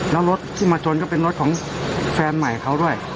แล้วรถที่มาชนก็เป็นรถของแฟนใหม่เขาด้วย